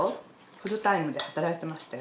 フルタイムで働いてましたよ。